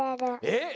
えっ？